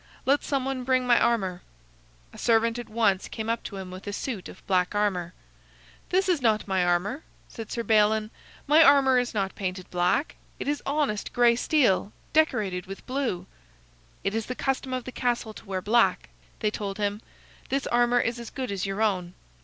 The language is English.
Let some one bring my armor." A servant at once came up to him with a suit of black armor. "This is not my armor," said Sir Balin. "My armor is not painted black. It is honest gray steel, decorated with blue." "It is the custom of the castle to wear black," they told him. "This armor is as good as your own."